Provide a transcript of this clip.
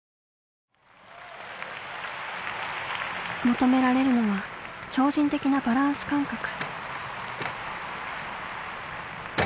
求められるのは超人的なバランス感覚。